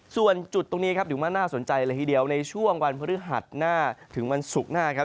ส่วนจุดตรงนี้ครับถือว่าน่าสนใจเลยทีเดียวในช่วงวันพฤหัสหน้าถึงวันศุกร์หน้าครับ